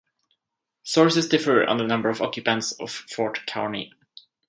Sources differ on the number of occupants of Fort Carney.